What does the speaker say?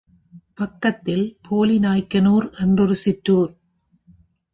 பக்கத்தில் போலிநாய்க்கனூர், என்றொரு சிற்றுார்.